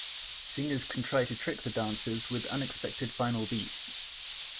Singers can try to trick the dances with unexpected final beats.